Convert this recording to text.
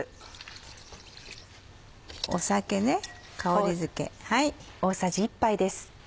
酒ね香りづけ。